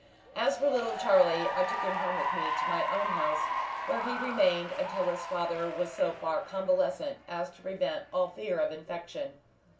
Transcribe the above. As for little Charlie, I took him home with me to my own house, where he remained until his father was so far convalescent as to prevent all fear of infection.